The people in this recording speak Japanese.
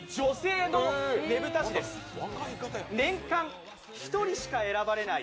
年間１人しか選ばれない